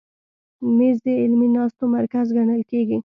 مېز د علمي ناستو مرکز ګڼل کېږي.